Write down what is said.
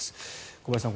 小林さん